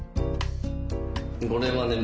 これはね